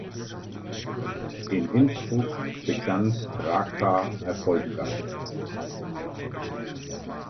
In Innsbruck begann Straka erfolgreich.